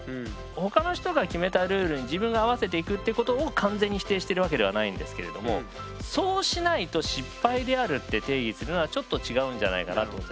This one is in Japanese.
他の人が決めたルールに自分が合わせていくっていうことを完全に否定してるわけではないんですけれどもそうしないと失敗であるって定義するのはちょっと違うんじゃないかなと思って。